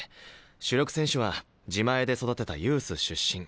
主力選手は自前で育てたユース出身。